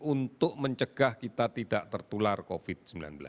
untuk mencegah kita tidak tertular covid sembilan belas